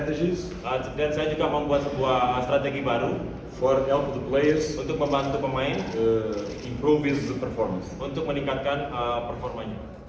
dan saya juga ingin membuat strategi baru untuk pemain untuk meningkatkan performa